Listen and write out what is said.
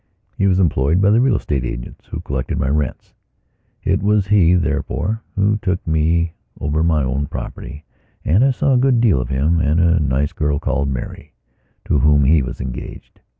He was employed by the real estate agents who collected my rents. It was he, therefore, who took me over my own property and I saw a good deal of him and of a nice girl called Mary, to whom he was engaged.